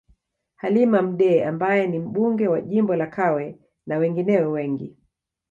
Halima Mdee ambaye ni Mbunge wa jimbo la Kawe na wengineo wengi